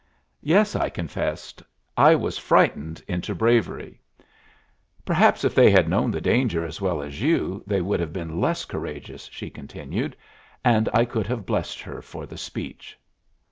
"Yes," I confessed, "I was frightened into bravery." "Perhaps if they had known the danger as well as you, they would have been less courageous," she continued; and I could have blessed her for the speech.